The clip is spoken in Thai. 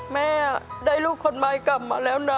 แม่ได้ลูกคนมายกลับมาแล้วนะพ่อ